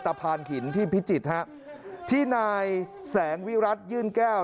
พานหินที่พิจิตรฮะที่นายแสงวิรัติยื่นแก้ว